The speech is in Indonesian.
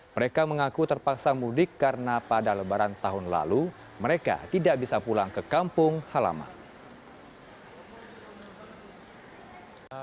mereka mengaku terpaksa mudik karena pada lebaran tahun lalu mereka tidak bisa pulang ke kampung halaman